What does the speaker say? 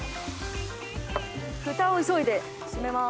フタを急いで閉めます。